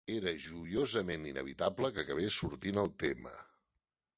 Era joiosament inevitable que acabés sortint el tema.